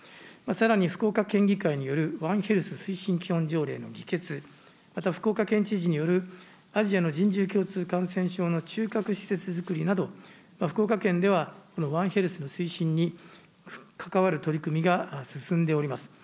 さらに福岡県議会によるワンヘルス推進基本条例の議決、また福岡県知事によるアジアの人獣共通感染症の中核施設づくりなど、福岡県では、ワンヘルスの推進に関わる取り組みが進んでおります。